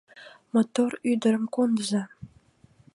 Мотор ӱдырым кондыза.